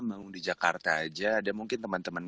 mau di jakarta aja ada mungkin teman teman